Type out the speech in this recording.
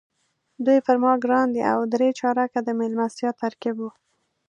دوی پر ما ګران دي او درې چارکه د میلمستیا ترکیب وو.